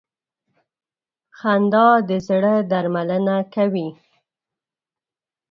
خندا د زړه درملنه کوي.